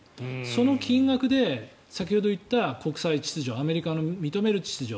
その金額で先ほど言った国際秩序アメリカの認める秩序